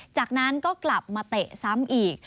จากนั้นก็กลับมาเตะซ้ำอีก